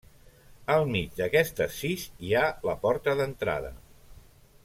Al mig d'aquestes sis hi ha la porta d'entrada.